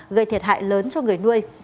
gây thiệt hại lớn cho người nuôi